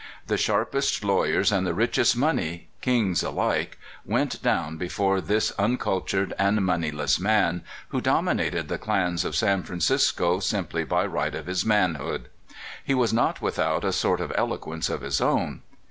The sharp est lawyers and the richest money kings alike went down before this uncultured and moneyless man, who dominated the clans of San Francisco simply by right of his manhood. He was not without a sort of eloquence of his own.